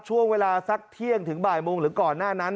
ช่วงเวลาสักเที่ยงถึงบ่ายโมงหรือก่อนหน้านั้น